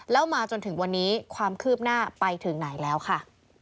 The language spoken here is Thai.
แล้วมาจนถึงวันนี้ความคืบหน้าไปถึงไหนแล้วค่ะ